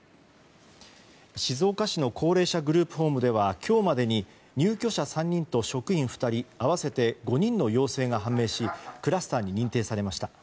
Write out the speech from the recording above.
静岡市の高齢者グループホームでは今日までに入居者３人と職員２人会わせて５人の陽性が判明しクラスターに認定されました。